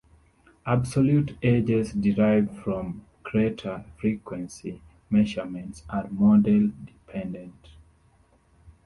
Absolute ages derived from crater frequency measurements are model-dependent.